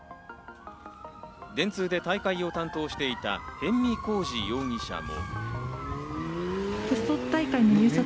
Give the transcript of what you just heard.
電通で大会を担当していた逸見晃治容疑者も。